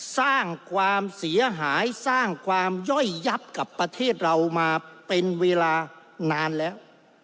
สร้างความเสียหายสร้างความย่อยยับกับประเทศเรามาเป็นเวลานานแล้ว